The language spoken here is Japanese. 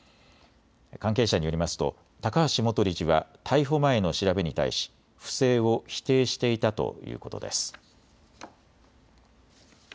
関係者によりますと高橋元理事は逮捕前の調べに対し不正を否定していたということです。